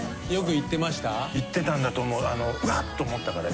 行ってたんだと思う。